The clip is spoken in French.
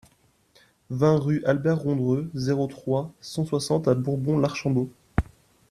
vingt rue Albert Rondreux, zéro trois, cent soixante à Bourbon-l'Archambault